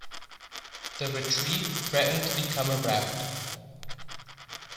The retreat threatened to become a rout.